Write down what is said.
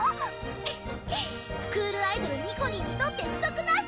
フフッスクールアイドルにこにーにとって不足なし！